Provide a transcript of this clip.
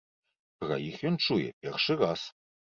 Пра іх ён чуе першы раз.